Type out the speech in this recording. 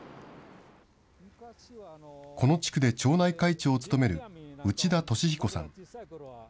この地区で町内会長を務める、内田俊彦さん。